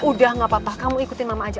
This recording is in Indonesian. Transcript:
udah gak apa apa kamu ikutin mama aja